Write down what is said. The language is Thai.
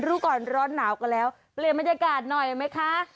รู้ก่อนร้อนหนาวกันแล้วเปลี่ยนบรรยากาศหน่อยไหมคะ